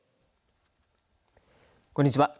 こんにちは。